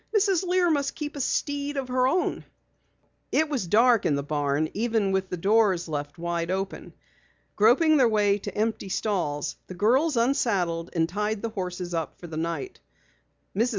"Mrs. Lear must keep a steed of her own." It was dark in the barn even with the doors left wide open. Groping their way to empty stalls, the girls unsaddled and tied the horses up for the night. Mrs.